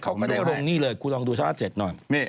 เขาก็ได้ตัวกัน